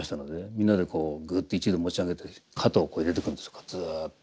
みんなでこうグッと一度持ち上げて肩をこう入れてくんですずっと。